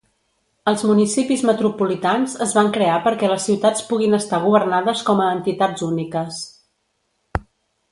Els municipis metropolitans es van crear perquè les ciutats puguin estar governades com a entitats úniques.